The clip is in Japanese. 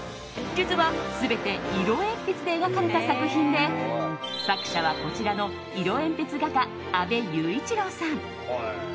実は、全て色鉛筆で描かれた作品で作者は、こちらの色鉛筆画家安部祐一朗さん。